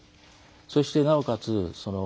そしてなおかつ